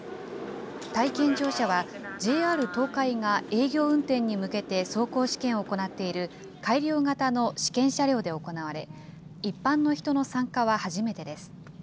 体験乗車は、ＪＲ東海が営業運転に向けて走行試験を行っている改良型の試験車両で行われ、一般の人の参加は初めてです。